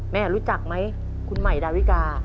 แม่รู้จักมั้ยคุณมัยดาวิกา